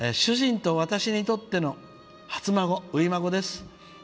「主人と私にとっての初孫初孫です。